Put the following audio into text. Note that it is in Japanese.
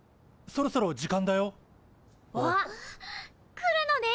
来るのね！